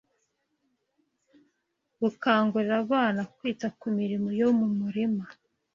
bukangurira abana kwita ku mirimo yo mu murima